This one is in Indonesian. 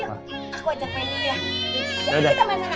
aku ajak main dulu ya